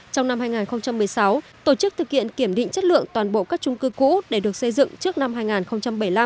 trong năm hai nghìn một mươi sáu tổ chức thực hiện kiểm định chất lượng toàn bộ các trung cư cũ để được xây dựng trước năm